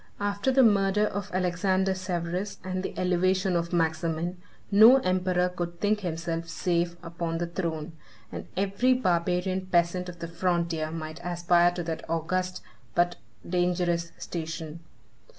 After the murder of Alexander Severus, and the elevation of Maximin, no emperor could think himself safe upon the throne, and every barbarian peasant of the frontier might aspire to that august, but dangerous station.